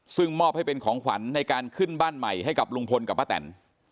ซึ่งมอบให้เป็นของขวัญในการขึ้นบ้านใหม่ให้กับลุงพลกับป้าแตน